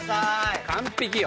完璧よ。